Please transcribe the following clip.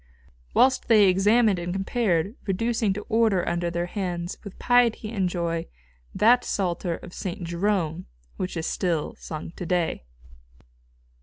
whilst they examined and compared, reducing to order under their hands, with piety and joy, that Psalter of St. Jerome which is still sung to day.